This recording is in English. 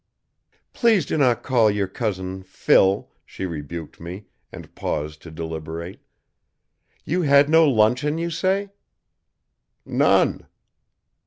"Please do not call your cousin 'Phil'," she rebuked me, and paused to deliberate. "You had no luncheon, you say?" "None."